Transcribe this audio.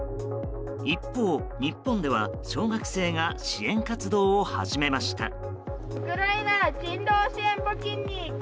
一方、日本では小学生が支援活動を始めました。